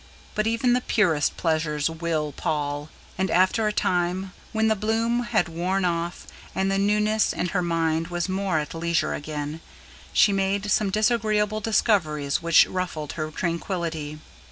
But even the purest pleasures WILL pall; and after a time, when the bloom had worn off and the newness and her mind was more at leisure again, she made some disagreeable discoveries which ruffled her tranquillity.